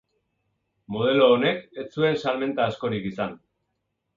Modelo honek ez zuen salmenta askorik izan.